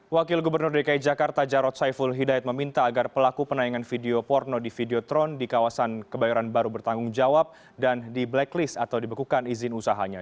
wakil gubernur dki jakarta jarod saiful hidayat meminta agar pelaku penayangan video porno di videotron di kawasan kebayoran baru bertanggung jawab dan di blacklist atau dibekukan izin usahanya